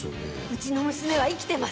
うちの娘は生きてます。